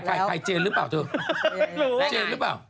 ใครเจนหรือเปล่าเธอ